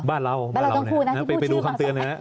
บ้านเราบ้านเราต้องพูดนะพี่พูดชื่อมาสักที